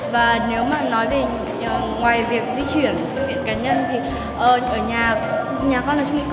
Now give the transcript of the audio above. và nếu mà nói về ngoài việc di chuyển thực hiện cá nhân thì ở nhà con ở chung cư